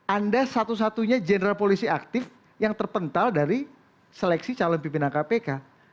anda satu satunya jenderal polisi aktif yang terpental dari seleksi calon pimpinan kpk